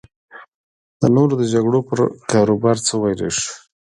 د نورو د جګړو پر کاروبار څه ویلی شو.